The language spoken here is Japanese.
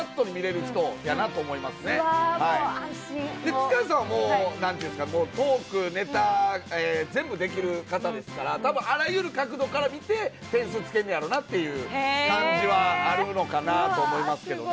塚地さんはもうなんて言うんですか、もう、トーク、ネタ、全部できる方ですから、たぶん、あらゆる角度から見て、点数つけるんやろなという感じはあるのかなと思いますけどね。